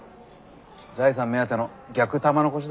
財産目当ての逆玉の輿だろ。